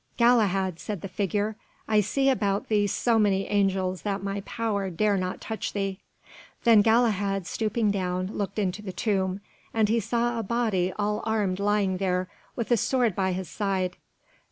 "Galahad," said the figure, "I see about thee so many angels that my power dare not touch thee." Then Galahad, stooping down, looked into the tomb, and he saw a body all armed lying there, with a sword by his side.